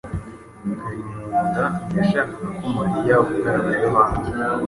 Kalimunda ntiyashakaga ko Mariya avugana na Yohana.